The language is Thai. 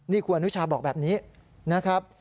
นี่คุณอนุชาบอกแบบนี้นะครับ